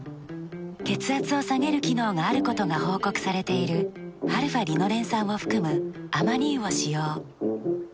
血圧を下げる機能があることが報告されているαーリノレン酸を含むアマニ油を使用。